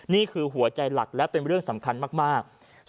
นี่คือหัวใจหลักและเป็นเรื่องสำคัญมาก